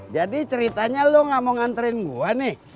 jadi ceritanya lu gak mau nganterin gua nih